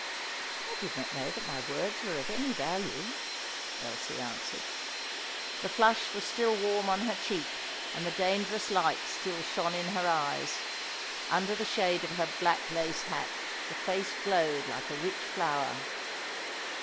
"I did not know that my words were of any value," Elsie answered. The flush was still warm on her cheek, and the dangerous light still shone in her eyes. Under the shade of her black lace hat the face glowed like a rich flower.